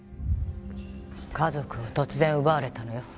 家族を突然奪われたのよ。